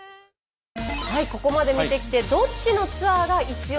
ここまで見てきてどっちのツアーがイチオシか。